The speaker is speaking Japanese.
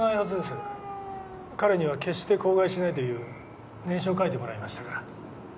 彼には「決して口外しない」という念書を書いてもらいましたから。